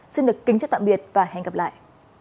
xin được kính chào tạm biệt và hẹn gặp lại